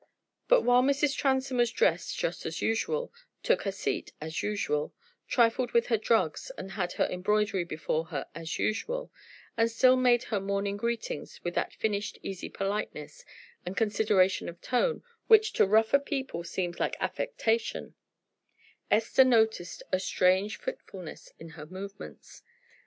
But while Mrs. Transome was dressed just as usual, took her seat as usual, trifled with her drugs and had her embroidery before her as usual, and still made her morning greetings with that finished easy politeness and consideration of tone which to rougher people seems like affectation, Esther noticed a strange fitfulness in her movements.